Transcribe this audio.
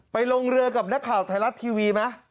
ลงเรือกับนักข่าวไทยรัฐทีวีไหม